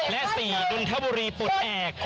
และ๔ดุนทบุรีปลดแอบ